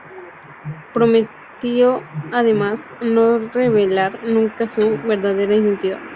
Prometió además no revelar nunca su verdadera identidad.